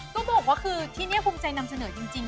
ก็บอกว่าคือที่นี่ภูมิใจนำเสนอจริง